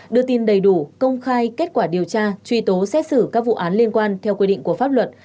đưa tin đầy đủ công khai kết quả điều tra truy tố xét xử các vụ án liên quan theo quy định của pháp luật